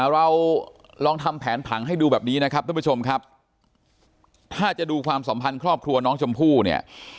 เราลองทำแผนผังให้ดูแบบนี้นะครับท่านผู้ชมครับถ้าจะดูความสัมพันธ์ครอบครัวน้องชมพู่เนี่ย